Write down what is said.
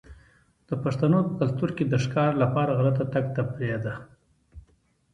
د پښتنو په کلتور کې د ښکار لپاره غره ته تګ تفریح ده.